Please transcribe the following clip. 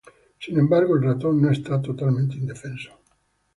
Sin embargo, el ratón no está totalmente indefenso.